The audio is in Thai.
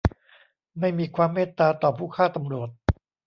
ไม่มีความเมตตาต่อผู้ฆ่าตำรวจ !